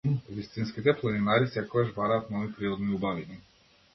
Вистинските планинари секогаш бараат нови природни убавини.